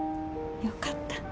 よかった。